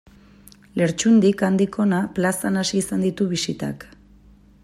Lertxundik Andikona plazan hasi izan ditu bisitak.